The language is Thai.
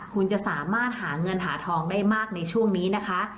คุณจะสามารถหาเงินหาทองได้มากในช่วงนี้นะคะ